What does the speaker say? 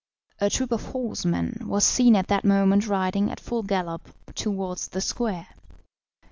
A troop of horsemen was seen at that moment riding at full gallop towards the square.